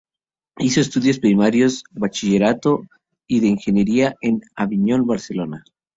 Hizo estudios primarios, bachillerato y de ingeniería en Aviñón, Barcelona.